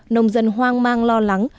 nông dân hoang mang lo lắng